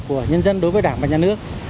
của nhân dân đối với đảng và nhà nước